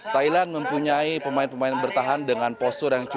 thailand mempunyai pemain pemain bertahan dengan postur yang cukup